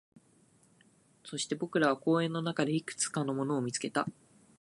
そして、僕らは公園の中でいくつかのものを見つけた